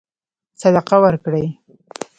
صدقه ورکړي.